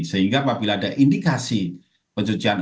sehingga apabila ada indikasi pencucian